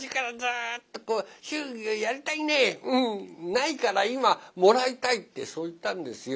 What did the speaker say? ないから今もらいたい」ってそう言ったんですよ。